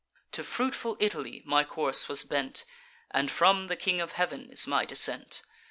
To fruitful Italy my course was bent; And from the King of Heav'n is my descent.